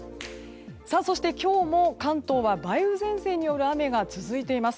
そして、今日も関東は梅雨前線による雨が続いています。